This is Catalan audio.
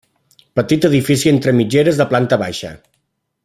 Petit edifici entre mitgeres de planta baixa.